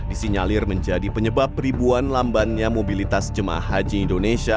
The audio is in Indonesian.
disinyalir menjadi penyebab ribuan lambannya mobilitas jemaah haji indonesia